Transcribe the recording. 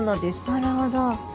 なるほど。